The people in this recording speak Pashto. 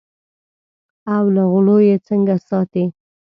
او له غلو یې څنګه ساتې.